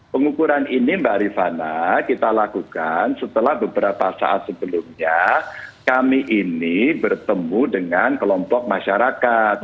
pengukuran ini mbak rifana kita lakukan setelah beberapa saat sebelumnya kami ini bertemu dengan kelompok masyarakat